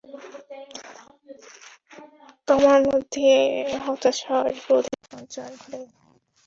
তোমার মধ্যে হতাশা আর ক্রোধের সঞ্চার ঘটে।